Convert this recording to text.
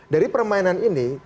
dari permainan ini